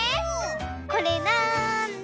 これなんだ？